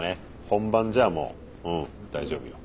本番じゃもう大丈夫よ。